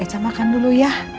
eh cak makan dulu ya